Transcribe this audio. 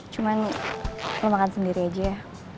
cuman lo makan sendiri aja ya